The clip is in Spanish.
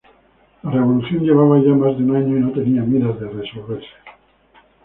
La revolución llevaba ya más de un año y no tenía miras de resolverse.